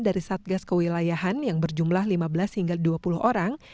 dari satgas kewilayahan yang berjumlah lima belas hingga dua puluh orang